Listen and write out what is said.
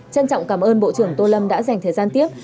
trân trọng cảm ơn bộ trưởng tô lâm đã dành thời gian tiếp